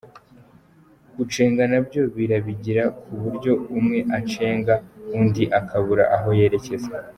Gucenga nabyo barabigira ku buryo umwe acenga undi akabura aho yerecyeza.